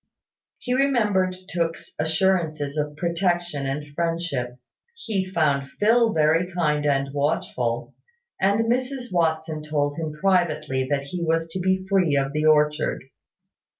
He remembered Tooke's assurances of protection and friendship; he found Phil very kind and watchful; and Mrs Watson told him privately that he was to be free of the orchard.